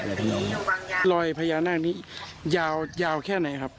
ลอยพระยาแน่งนี้ยาวแค่ไหนครับ